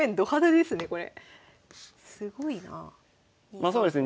まそうですね